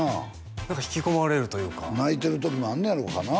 何か引き込まれるというか泣いてる時もあんのやろうかな？